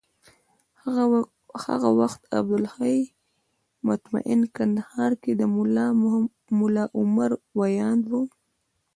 هغه وخت عبدالحی مطمین کندهار کي د ملا عمر ویاند و